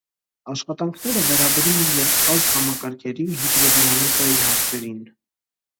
Աշխատանքները վերաբերում են երկֆազ համակարգերի հիդրոդինամիկայի հարցերին։